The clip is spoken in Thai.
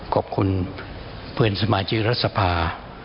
คุณสหมาจิสรภา